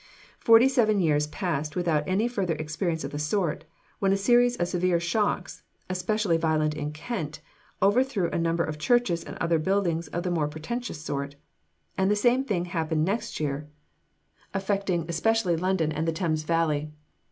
Forty seven years passed without any further experience of the sort, when a series of severe shocks, especially violent in Kent, overthrew a number of churches and other buildings of the more pretentious sort; and the same thing happened next year, affecting especially London and the Thames Valley.